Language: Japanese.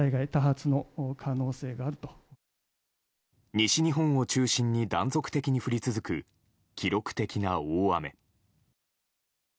西日本を中心に断続的に降り続く記録的な大雨。